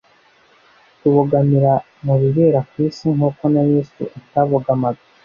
tubogamira mu bibera ku isi nk uko na Yesu atabogamaga